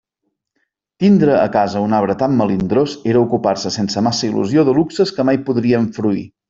Tindre a casa un arbre tan melindrós era ocupar-se sense massa il·lusió de luxes que mai podríem fruir.